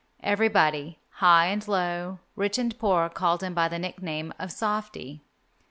Everybody, high and low, rich and poor, called him by the nickname of Softy.